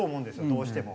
どうしても。